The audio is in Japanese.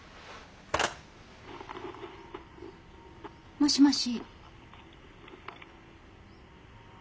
☎もしもし。